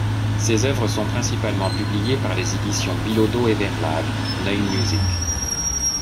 Ses œuvres sont principalement publiées par les Éditions Billaudot et Verlag Neue Musik.